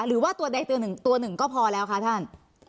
หรือว่าตัวใดตัวหนึ่งก็พอแล้วค่ะท่าน